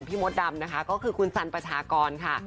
มดดำนะคะก็คือคุณสันประชากรค่ะ